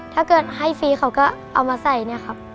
ถ้าเกิดให้ฟรีเขาก็เอามาใส่เนี่ยครับ